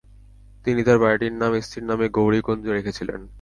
তিনি তার বাড়িটির নাম স্ত্রীর নামে 'গৌরীকুঞ্জ' রেখেছিলেন।